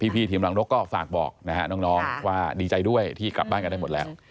พี่ทีมหลังนกก็ฝากบอกนะฮะน้องว่าดีใจด้วยที่กลับบ้านกันได้หมดแล้ว